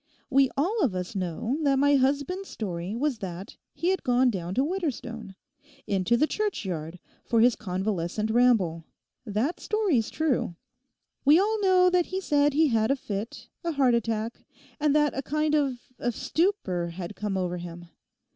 'We all of us know that my husband's story was that he had gone down to Widderstone—into the churchyard, for his convalescent ramble; that story's true. We all know that he said he had had a fit, a heart attack, and that a kind of—of stupor had come over him.